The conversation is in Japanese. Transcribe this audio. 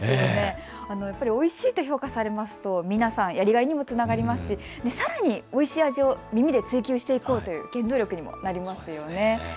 おいしいと評価されますと皆さんやりがいにもつながりますし、さらにおいしい味を耳で追求していこうという原動力にもなりますよね。